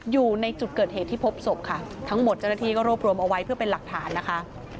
อยู่ในจุดเกิดเหตุที่พบศพค่ะทั้งหมดเจ้าหน้าที่ก็รวบรวมเอาไว้เพื่อเป็นหลักฐานนะคะ